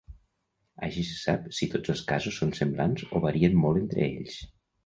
Així se sap si tots els casos són semblants o varien molt entre ells.